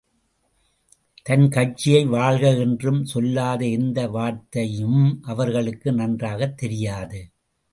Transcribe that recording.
தன் கட்சியை வாழ்க என்றும் சொல்லாத எந்த வார்த்தையும், அவர்களுக்கு நன்றாகத் தெரியாது.